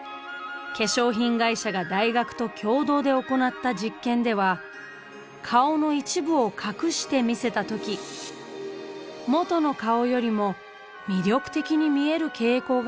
化粧品会社が大学と共同で行った実験では顔の一部を隠して見せた時元の顔よりも魅力的に見える傾向が確認されました。